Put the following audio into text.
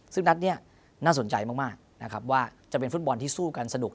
ซึ่งนัดนี้น่าสนใจมากนะครับว่าจะเป็นฟุตบอลที่สู้กันสนุก